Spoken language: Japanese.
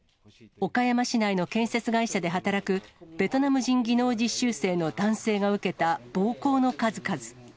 岡山市内の建設会社で働くベトナム人技能実習生の男性が受けた暴行の数々。